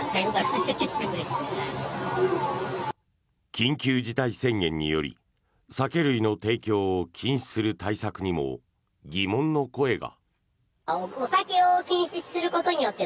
緊急事態宣言により酒類の提供を禁止する対策にも疑問の声が。